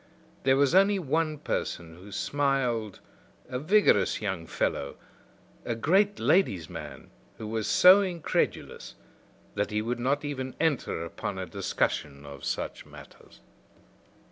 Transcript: There was only one person who smiled, a vigorous young fellow, a great ladies' man who was so incredulous that he would not even enter upon a discussion of such matters.